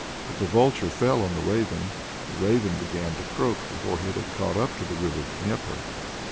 But the Vulture fell on the Raven; the Raven began to croak before it had caught up the river Dnieper.